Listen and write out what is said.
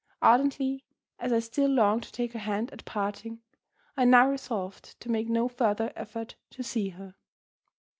Ardently as I still longed to take her hand at parting, I now resolved to make no further effort to see her.